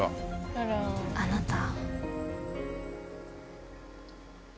あなた。